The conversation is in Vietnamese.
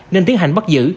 nên tiến hành bắt giữ